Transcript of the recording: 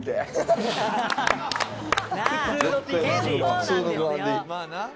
「健康なんですよ」